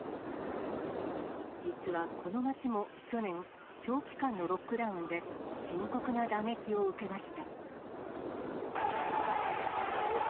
実はこの町も、去年、長期間のロックダウンで深刻な打撃を受けました。